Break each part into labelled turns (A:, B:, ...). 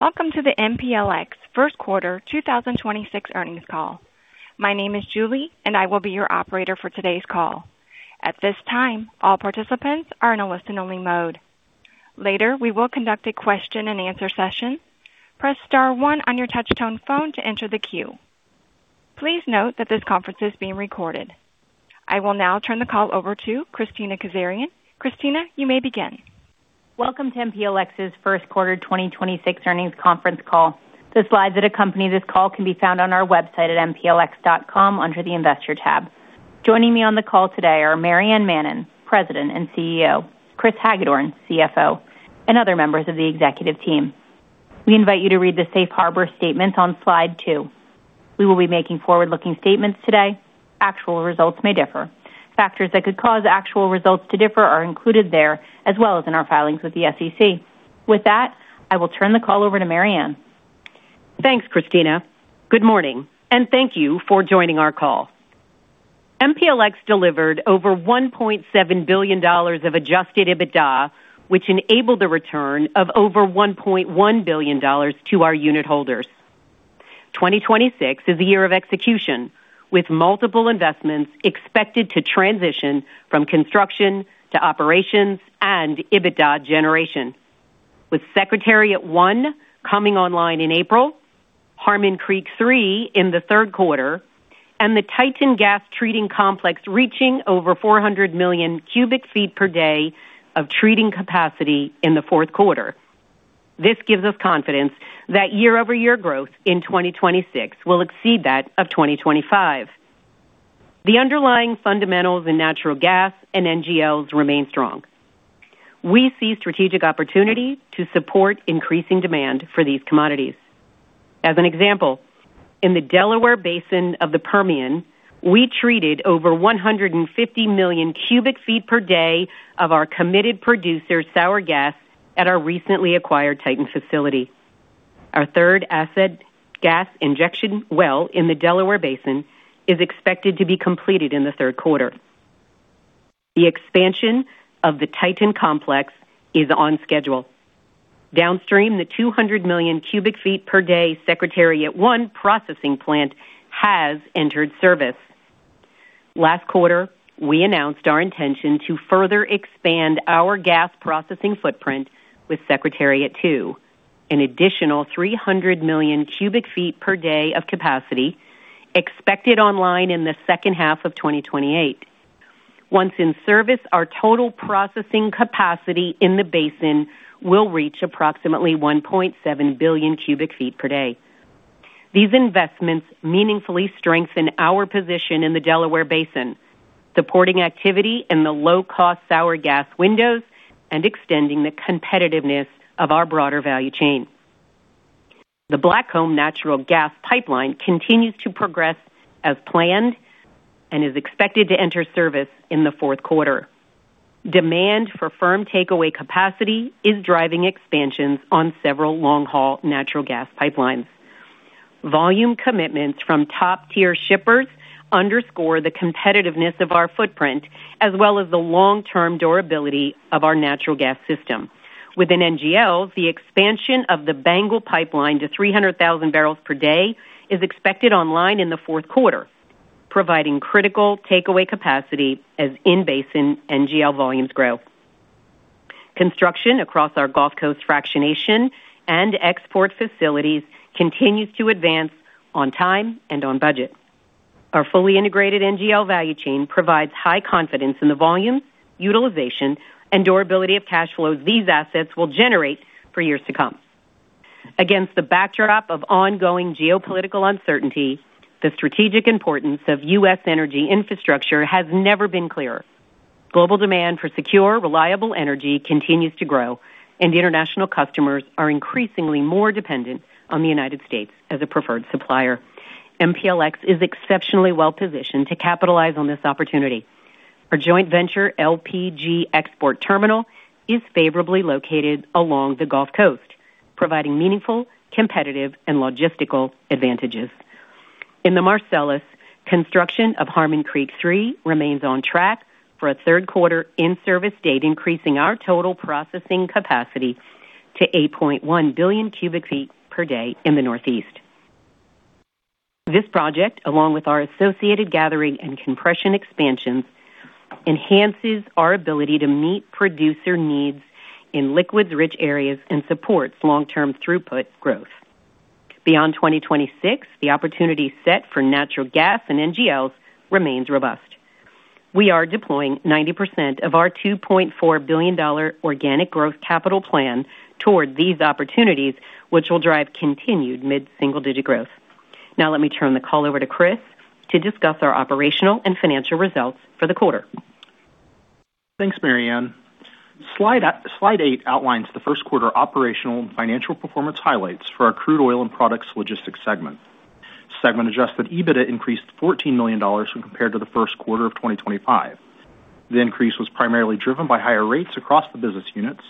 A: Welcome to the MPLX Q1 2026 Earnings Call. My name is Julie, I will be your operator for today's call. At this time, all participants are in a listen-only mode. Later, we will conduct a question-and-answer session. Press star one on your touchtone phone to enter the queue. Please note that this conference is being recorded. I will now turn the call over to Kristina Kazarian. Kristina, you may begin.
B: Welcome to MPLX's Q1 2026 Earnings Conference Call. The slides that accompany this call can be found on our website at mplx.com under the Investor tab. Joining me on the call today are Maryann Mannen, President and CEO, Chris Hagedorn, CFO, and other members of the executive team. We invite you to read the safe harbor statement on slide two. We will be making forward-looking statements today. Actual results may differ. Factors that could cause actual results to differ are included there as well as in our filings with the SEC. With that, I will turn the call over to Maryann.
C: Thanks, Kristina. Good morning, and thank you for joining our call. MPLX delivered over $1.7 billion of Adjusted EBITDA, which enabled a return of over $1.1 billion to our unit holders. 2026 is a year of execution, with multiple investments expected to transition from construction to operations and EBITDA generation, with Secretariat I coming online in April, Harmon Creek III in Q3, and the Titan gas treating complex reaching over 400 million cubic feet per day of treating capacity in Q4. This gives us confidence that year-over-year growth in 2026 will exceed that of 2025. The underlying fundamentals in natural gas and NGLs remain strong. We see strategic opportunity to support increasing demand for these commodities. As an example, in the Delaware Basin of the Permian, we treated over 150 million cubic feet per day of our committed producer sour gas at our recently acquired Titan facility. Our third acid gas injection well in the Delaware Basin is expected to be completed in Q3. The expansion of the Titan complex is on schedule. Downstream, the 200 million cubic feet per day Secretariat I processing plant has entered service. Last quarter, we announced our intention to further expand our gas processing footprint with Secretariat II, an additional 300 million cubic feet per day of capacity expected online in the H2 of 2028. Once in service, our total processing capacity in the basin will reach approximately 1.7 billion cubic feet per day. These investments meaningfully strengthen our position in the Delaware Basin, supporting activity in the low-cost sour gas windows and extending the competitiveness of our broader value chain. The Blackcomb natural gas pipeline continues to progress as planned and is expected to enter service in the Q4. Demand for firm takeaway capacity is driving expansions on several long-haul natural gas pipelines. Volume commitments from top-tier shippers underscore the competitiveness of our footprint as well as the long-term durability of our natural gas system. Within NGL, the expansion of the Bengal pipeline to 300,000 barrels per day is expected online in Q4, providing critical takeaway capacity as in-basin NGL volumes grow. Construction across our Gulf Coast fractionation and export facilities continues to advance on time and on budget. Our fully integrated NGL value chain provides high confidence in the volume, utilization, and durability of cash flows these assets will generate for years to come. Against the backdrop of ongoing geopolitical uncertainty, the strategic importance of U.S. energy infrastructure has never been clearer. Global demand for secure, reliable energy continues to grow, and international customers are increasingly more dependent on the United States as a preferred supplier. MPLX is exceptionally well-positioned to capitalize on this opportunity. Our joint venture LPG export terminal is favorably located along the Gulf Coast, providing meaningful, competitive, and logistical advantages. In the Marcellus, construction of Harmon Creek III remains on track for a Q3 in-service date, increasing our total processing capacity to 8.1 billion cubic feet per day in the Northeast. This project, along with our associated gathering and compression expansions, enhances our ability to meet producer needs in liquids-rich areas and supports long-term throughput growth. Beyond 2026, the opportunity set for natural gas and NGLs remains robust. We are deploying 90% of our $2.4 billion organic growth capital plan toward these opportunities, which will drive continued mid-single-digit growth. Let me turn the call over to Chris to discuss our operational and financial results for the quarter.
D: Thanks, Maryann. Slide eight outlines the Q1 operational and financial performance highlights for our crude oil and products logistics segment. Segment Adjusted EBITDA increased $14 million when compared to the Q1 of 2025. The increase was primarily driven by higher rates across the business units,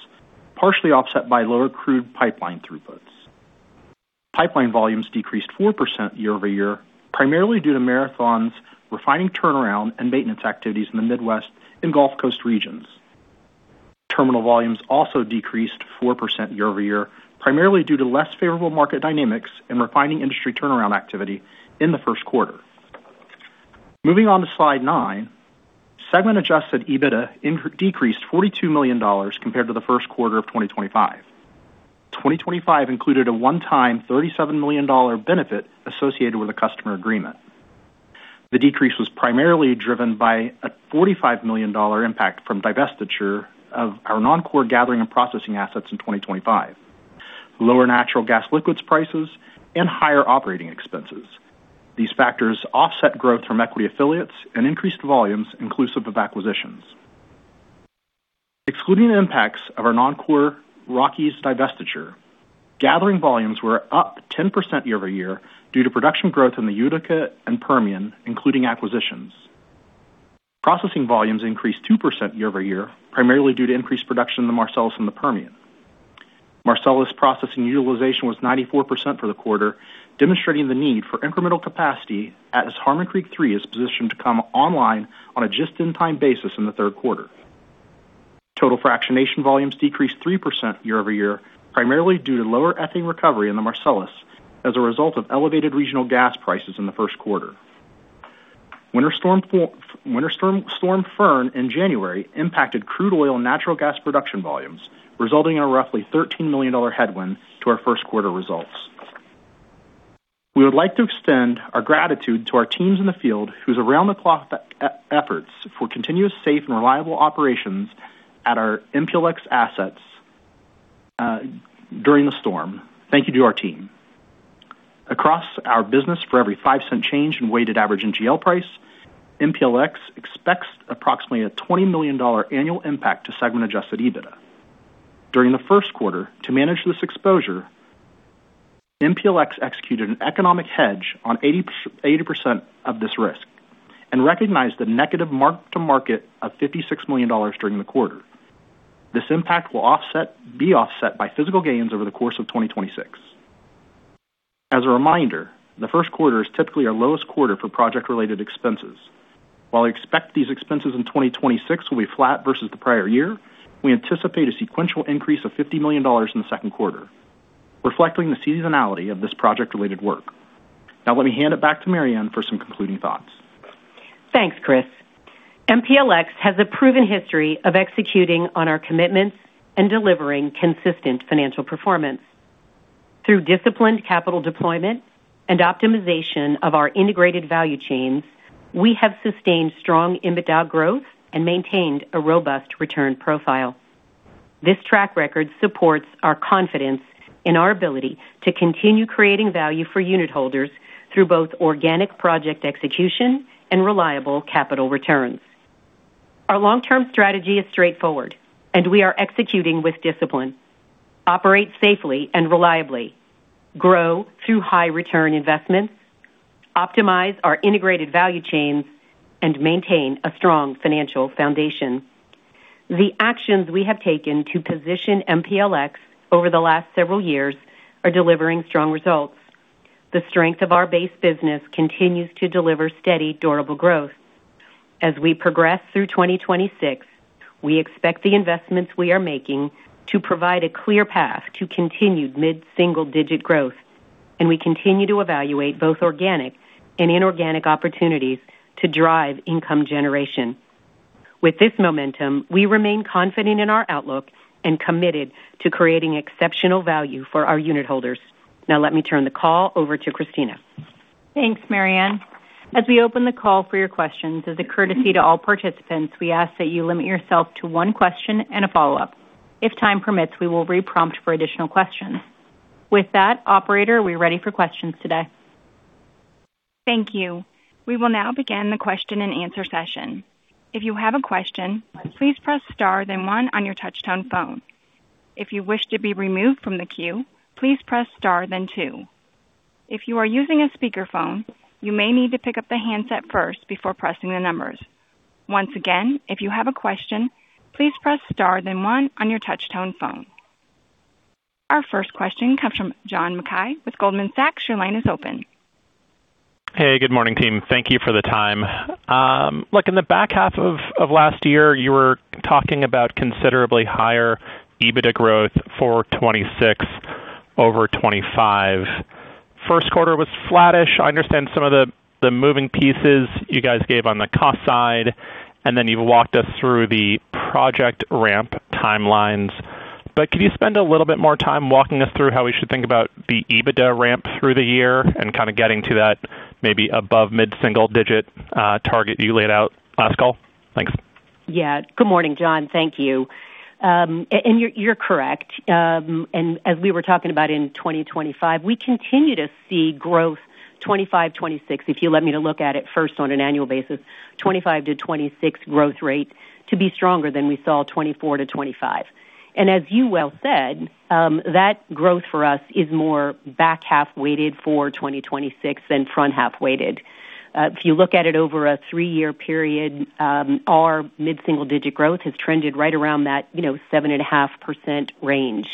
D: partially offset by lower crude pipeline throughputs. Pipeline volumes decreased 4% year-over-year, primarily due to Marathon's refining turnaround and maintenance activities in the Midwest and Gulf Coast regions. Terminal volumes also decreased 4% year-over-year, primarily due to less favorable market dynamics and refining industry turnaround activity in the Q1. Moving on to slide nine. Segment Adjusted EBITDA decreased $42 million compared to the Q1 of 2025. 2025 included a one-time $37 million benefit associated with a customer agreement. The decrease was primarily driven by a $45 million impact from divestiture of our non-core gathering and processing assets in 2025, lower natural gas liquid prices, and higher operating expenses. These factors offset growth from equity affiliates and increased volumes inclusive of acquisitions. Excluding the impacts of our non-core Rockies divestiture, gathering volumes were up 10% year-over-year due to production growth in the Utica and Permian, including acquisitions. Processing volumes increased 2% year-over-year, primarily due to increased production in the Marcellus and the Permian. Marcellus processing utilization was 94% for the quarter, demonstrating the need for incremental capacity as Harmon Creek III is positioned to come online on a just-in-time basis in the Q3. Total fractionation volumes decreased 3% year-over-year, primarily due to lower ethane recovery in the Marcellus as a result of elevated regional gas prices in Q1. Winter Storm Fern in January impacted crude oil and natural gas production volumes, resulting in a roughly $13 million headwind to our Q1 results. We would like to extend our gratitude to our teams in the field whose around-the-clock efforts for continuous, safe and reliable operations at our MPLX assets during the storm. Thank you to our team. Across our business, for every $0.05 change in weighted average NGL price, MPLX expects approximately a $20 million annual impact to segment Adjusted EBITDA. During the Q1, to manage this exposure, MPLX executed an economic hedge on 80% of this risk and recognized a negative mark-to-market of $56 million during the quarter. This impact will be offset by physical gains over the course of 2026. As a reminder, Q1 is typically our lowest quarter for project-related expenses. While we expect these expenses in 2026 will be flat versus the prior year, we anticipate a sequential increase of $50 million in Q2, reflecting the seasonality of this project-related work. Now let me hand it back to Maryann for some concluding thoughts.
C: Thanks, Chris. MPLX has a proven history of executing on our commitments and delivering consistent financial performance. Through disciplined capital deployment and optimization of our integrated value chains, we have sustained strong EBITDA growth and maintained a robust return profile. This track record supports our confidence in our ability to continue creating value for unitholders through both organic project execution and reliable capital returns. Our long-term strategy is straightforward and we are executing with discipline. Operate safely and reliably, grow through high return investments, optimize our integrated value chains, and maintain a strong financial foundation. The actions we have taken to position MPLX over the last several years are delivering strong results. The strength of our base business continues to deliver steady, durable growth. As we progress through 2026, we expect the investments we are making to provide a clear path to continued mid-single-digit growth. We continue to evaluate both organic and inorganic opportunities to drive income generation. With this momentum, we remain confident in our outlook and committed to creating exceptional value for our unitholders. Let me turn the call over to Kristina.
B: Thanks, Maryann. As we open the call for your questions, as a courtesy to all participants, we ask that you limit yourself to one question and a follow-up. If time permits, we will re-prompt for additional questions. With that, operator, we are ready for questions today.
A: Thank you. We will now begin the question and answer session. If you have a question please press star then one on your touchtone phone. If you wish to be removed from the queue, please press star then two. If you are using a speaker phone you may need to pick up the headset first before pressing the numbers. Once again if you have a question please press star then one on your touchtone phone. Our first question comes from John Mackay with Goldman Sachs.
E: Hey, good morning, team. Thank you for the time. Look, in the back half of last year, you were talking about considerably higher EBITDA growth for 2026 over 2025. Q1 was flattish. I understand some of the moving pieces you guys gave on the cost side, and then you walked us through the project ramp timelines. Could you spend a little bit more time walking us through how we should think about the EBITDA ramp through the year and kind of getting to that maybe above mid-single digit target you laid out last call? Thanks.
C: Yeah. Good morning, John. Thank you. You're correct. As we were talking about in 2025, we continue to see growth 2025, 2026, if you allow me to look at it first on an annual basis, 2025-2026 growth rate to be stronger than we saw 2024-2025. As you well said, that growth for us is more back half weighted for 2026 than front half weighted. If you look at it over a three-year period, our mid-single digit growth has trended right around that, you know, 7.5% range.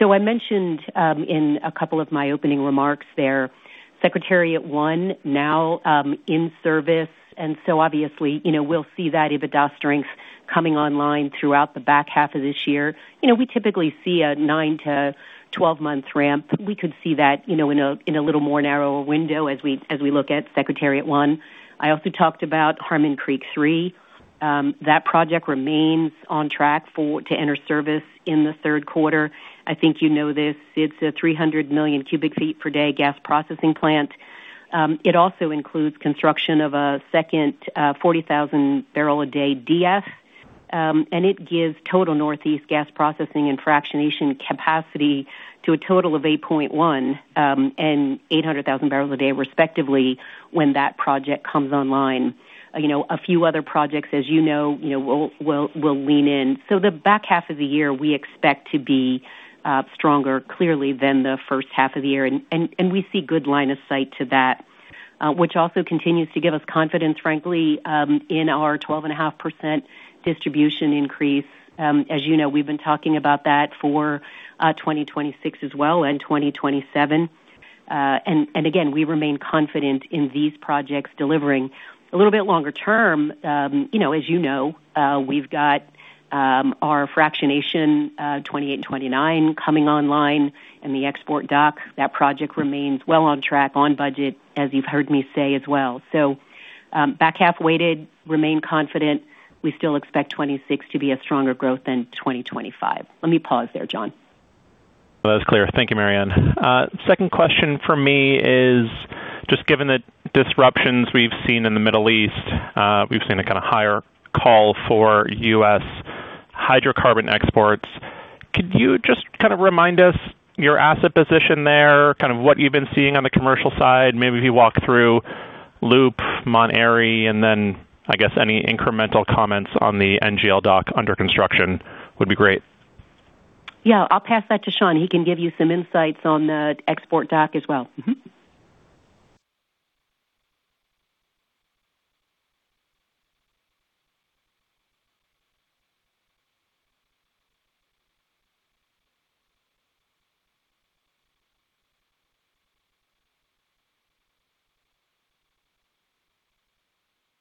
C: I mentioned in a couple of my opening remarks there, Secretariat I now in service. Obviously, you know, we'll see that EBITDA strength coming online throughout the back half of this year. You know, we typically see a nine to 12 month ramp. We could see that, you know, in a little more narrower window as we look at Secretariat I. I also talked about Harmon Creek III. That project remains on track to enter service in the Q3. I think you know this, it's a 300 million cubic feet per day gas processing plant. It also includes construction of a second 40,000 barrel a day DF. It gives total northeast gas processing and fractionation capacity to a total of 8.1 and 800,000 barrels a day respectively, when that project comes online. You know, a few other projects, as you know, you know, will lean in. The back half of the year, we expect to be stronger, clearly than H1 of the year. We see good line of sight to that, which also continues to give us confidence, frankly, in our 12.5% distribution increase. As you know, we've been talking about that for 2026 as well, and 2027. Again, we remain confident in these projects delivering. A little bit longer term, you know, as you know, we've got our fractionation 28 and 29 coming online and the export dock. That project remains well on track, on budget, as you've heard me say as well. Back half weighted remain confident. We still expect 2026 to be a stronger growth than 2025. Let me pause there, John.
E: That's clear. Thank you, Maryann. Second question from me is just given the disruptions we've seen in the Middle East, we've seen a kind of higher call for U.S. hydrocarbon exports. Could you just kind of remind us your asset position there, kind of what you've been seeing on the commercial side? Maybe if you walk through LOOP Mount Airy, and then I guess any incremental comments on the NGL dock under construction would be great.
C: Yeah, I'll pass that to Shawn. He can give you some insights on the export dock as well.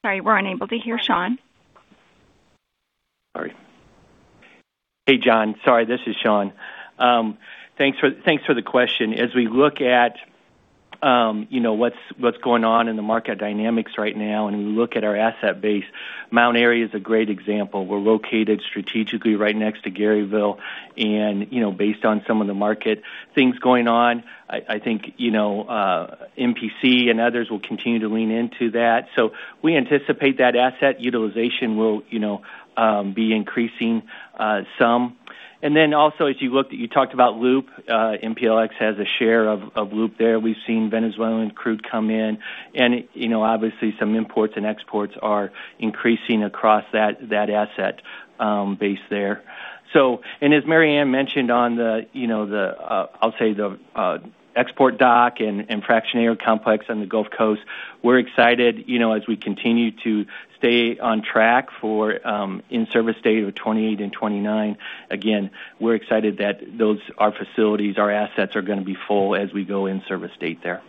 A: Sorry, we're unable to hear Shawn.
F: Sorry. Hey, John. Sorry, this is Shawn. Thanks for the question. As we look at, you know, what's going on in the market dynamics right now, and we look at our asset base, Mount Airy is a great example. We're located strategically right next to Garyville. You know, based on some of the market things going on, I think, you know, MPC and others will continue to lean into that. We anticipate that asset utilization will, you know, be increasing some. Also, as you talked about LOOP, MPLX has a share of LOOP there. We've seen Venezuelan crude come in and it, you know, obviously some imports and exports are increasing across that asset base there. As Maryann mentioned on the, you know, the export dock and fractionation complex on the Gulf Coast, we're excited, you know, as we continue to stay on track for in-service date of 2028 and 2029. Again, we're excited that our facilities, our assets are gonna be full as we go in service date there.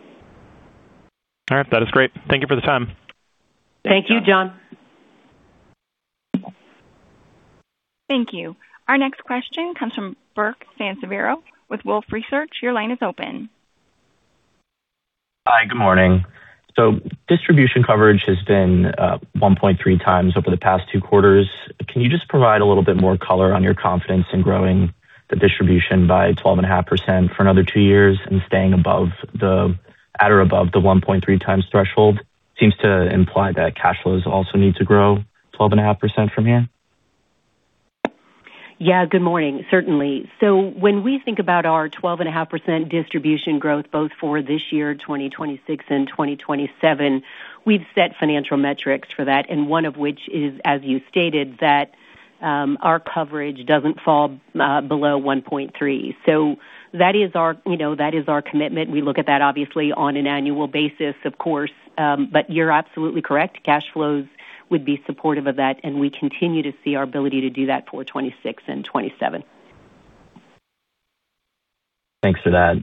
E: All right. That is great. Thank you for the time.
C: Thank you, John.
A: Thank you. Our next question comes from Burke Sansiviero with Wolfe Research. Your line is open.
G: Hi. Good morning. Distribution coverage has been 1.3x over the past two quarters. Can you just provide a little bit more color on your confidence in growing the distribution by 12.5% for another two years and staying at or above the 1.3x threshold? Seems to imply that cash flows also need to grow 12.5% from here.
C: Good morning. Certainly. When we think about our 12.5% distribution growth, both for this year, 2026 and 2027, we've set financial metrics for that, and one of which is, as you stated, that our coverage doesn't fall below 1.3. That is our, you know, that is our commitment. We look at that obviously on an annual basis, of course. You're absolutely correct. Cash flows would be supportive of that, and we continue to see our ability to do that for 2026 and 2027.
G: Thanks for that.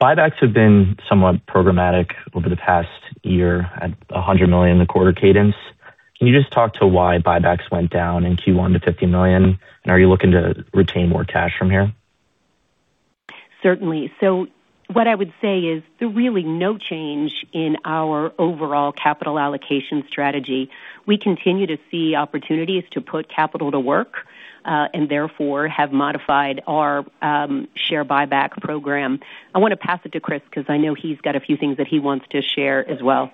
G: Buybacks have been somewhat programmatic over the past year at a $100 million a quarter cadence. Can you just talk to why buybacks went down in Q1 to $50 million? Are you looking to retain more cash from here?
C: Certainly. What I would say is there really no change in our overall capital allocation strategy. We continue to see opportunities to put capital to work, and therefore have modified our share buyback program. I want to pass it to Chris because I know he's got a few things that he wants to share as well.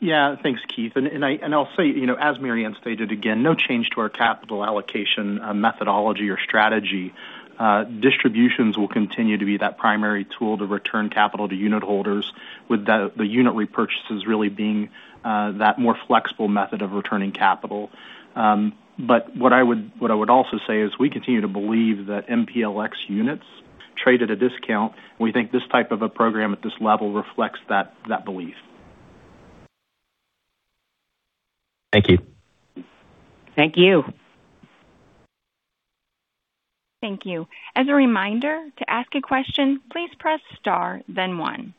D: Yeah. Thanks. I'll say, you know, as Maryann stated, again, no change to our capital allocation methodology or strategy. Distributions will continue to be that primary tool to return capital to unit holders with the unit repurchases really being that more flexible method of returning capital. What I would also say is we continue to believe that MPLX units- Trade at a discount. We think this type of a program at this level reflects that belief.
G: Thank you.
C: Thank you.
A: Thank you. As a reminder, to ask a question, please press star then one.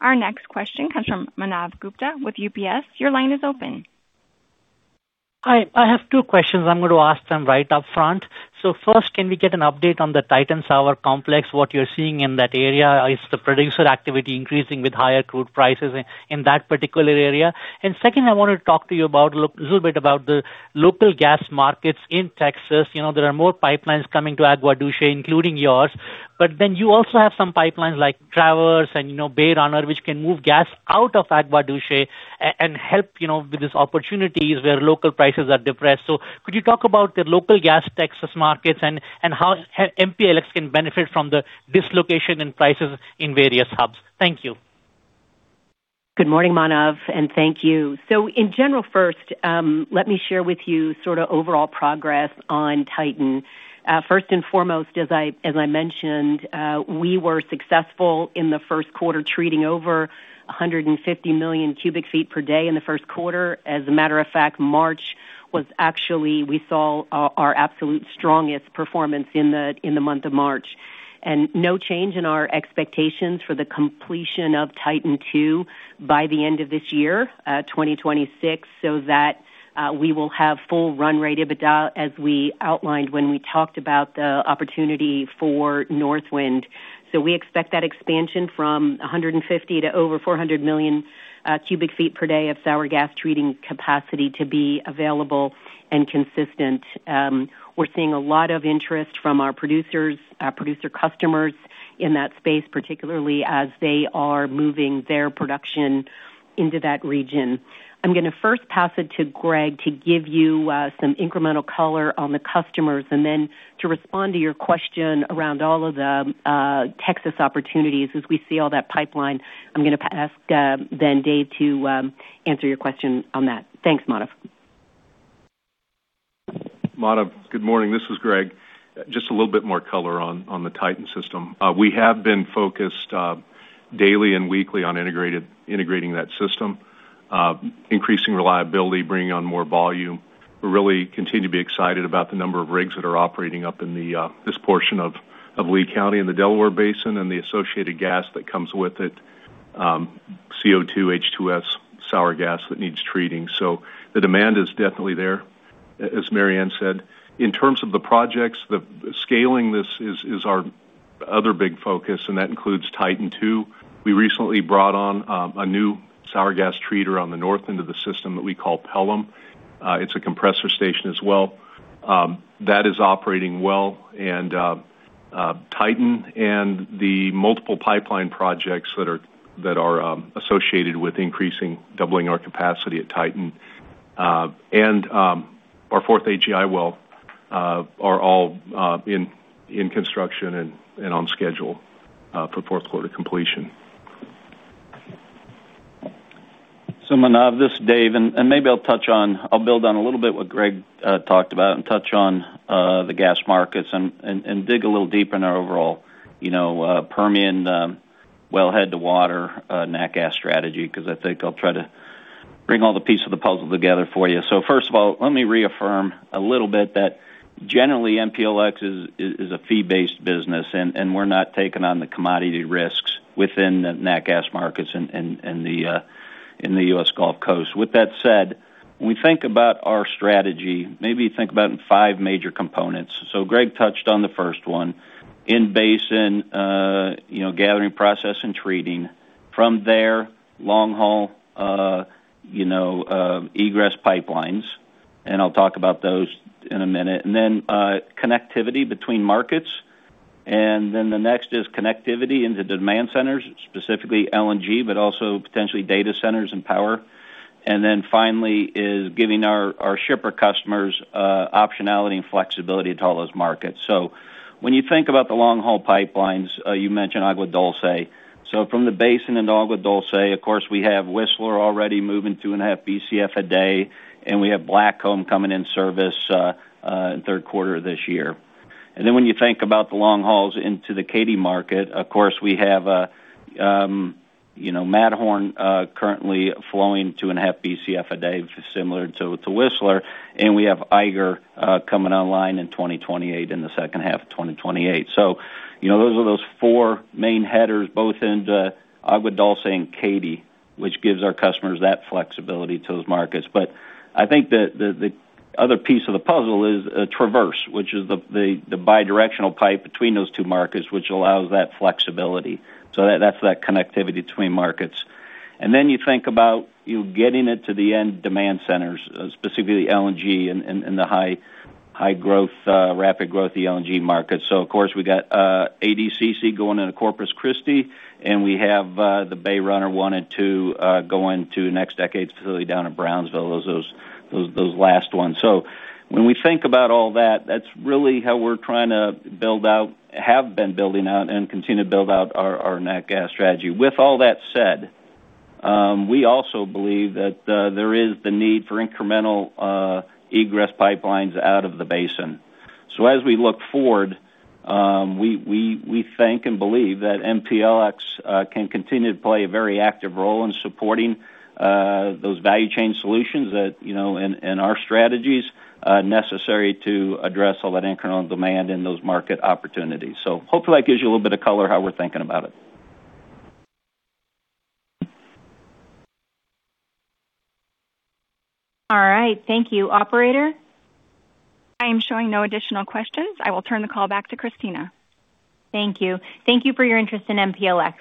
A: Our next question comes from Manav Gupta with UBS. Your line is open.
H: Hi. I have two questions. I'm going to ask them right up front. First, can we get an update on the Titan sour complex, what you're seeing in that area? Is the producer activity increasing with higher crude prices in that particular area? Second, I want to talk to you about a little bit about the local gas markets in Texas. You know, there are more pipelines coming to Agua Dulce, including yours, you also have some pipelines like Traverse and, you know, Bayrunner pipeline, which can move gas out of Agua Dulce and help, you know, with these opportunities where local prices are depressed. Could you talk about the local gas Texas markets and how MPLX can benefit from the dislocation in prices in various hubs? Thank you.
C: Good morning, Manav, and thank you. In general, first, let me share with you sort of overall progress on Titan. First and foremost, as I mentioned, we were successful in the Q1 treating over 150 million cubic feet per day in the Q1. As a matter of fact, March was actually we saw our absolute strongest performance in the month of March. No change in our expectations for the completion of Titan II by the end of this year, 2026, so that we will have full run rate EBITDA as we outlined when we talked about the opportunity for Northwind. We expect that expansion from 150 to over 400 million cubic feet per day of sour gas treating capacity to be available and consistent. We're seeing a lot of interest from our producers, our producer customers in that space, particularly as they are moving their production into that region. I'm gonna first pass it to Greg to give you some incremental color on the customers and then to respond to your question around all of the Texas opportunities as we see all that pipeline. I'm gonna ask then Dave to answer your question on that. Thanks, Manav.
I: Manav, good morning. This is Greg. Just a little bit more color on the Titan system. We have been focused daily and weekly on integrating that system, increasing reliability, bringing on more volume. We really continue to be excited about the number of rigs that are operating up in this portion of Lea County in the Delaware Basin and the associated gas that comes with it, CO2, H2S sour gas that needs treating. The demand is definitely there, as Maryann said. In terms of the projects, the scaling this is our other big focus, that includes Titan II. We recently brought on a new sour gas treater on the north end of the system that we call Pelham. It's a compressor station as well that is operating well. Titan and the multiple pipeline projects that are associated with increasing, doubling our capacity at Titan, and our fourth AGI well, are all in construction and on schedule for Q4 completion.
J: Manav, this is Dave, and maybe I'll build on a little bit what Greg talked about and touch on the gas markets and dig a little deeper in our overall, you know, Permian, wellhead to water, nat gas strategy, 'cause I think I'll try to bring all the pieces of the puzzle together for you. First of all, let me reaffirm a little bit that generally MPLX is a fee-based business and we're not taking on the commodity risks within the nat gas markets in the U.S. Gulf Coast. With that said, when we think about our strategy, maybe think about five major components. Greg touched on the first one. In basin, you know, gathering, process and treating. From there, long-haul, you know, egress pipelines. I'll talk about those in a minute. Connectivity between markets. The next is connectivity into demand centers, specifically LNG, but also potentially data centers and power. Finally is giving our shipper customers optionality and flexibility to all those markets. When you think about the long-haul pipelines, you mentioned Agua Dulce. From the basin into Agua Dulce, of course, we have Whistler already moving 2.5 BCF a day. We have Blackcomb coming in service in Q3 this year. When you think about the long hauls into the Katy market, of course, we have, you know, Matterhorn currently flowing 2.5 BCF a day, similar to Whistler. We have Eiger coming online in 2028, in H2 of 2028. You know, those are those four main headers, both into Agua Dulce and Katy, which gives our customers that flexibility to those markets. I think the other piece of the puzzle is Traverse, which is the bidirectional pipe between those two markets, which allows that flexibility. That's that connectivity between markets. You think about, you know, getting it to the end demand centers, specifically LNG and the high growth, rapid growth LNG markets. Of course we got ADCC going into Corpus Christi, and we have the Bay Runner 1 and 2 going to NextDecade's facility down in Brownsville. Those last ones. When we think about all that's really how we're trying to build out, have been building out and continue to build out our nat gas strategy. We also believe that there is the need for incremental egress pipelines out of the basin. As we look forward, we think and believe that MPLX can continue to play a very active role in supporting those value chain solutions that, you know, in our strategies, necessary to address all that incremental demand and those market opportunities. Hopefully that gives you a little bit of color how we're thinking about it.
C: All right. Thank you. Operator?
A: I am showing no additional questions. I will turn the call back to Kristina.
B: Thank you. Thank you for your interest in MPLX.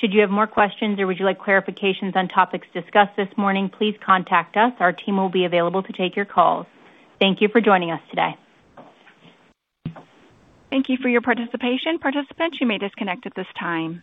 B: Should you have more questions or would you like clarifications on topics discussed this morning, please contact us. Our team will be available to take your calls. Thank you for joining us today.
A: Thank you for your participation. Participants, you may disconnect at this time.